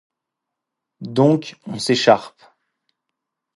Donc on s’écharpe.